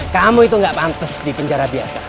kamu itu nggak pantas di penjara biasa